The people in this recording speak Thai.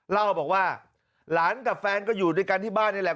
เล่าบอกว่าหลานกับแฟนก็อยู่ด้วยกันที่บ้านนี่แหละ